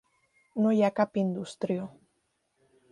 No hi ha cap indústria.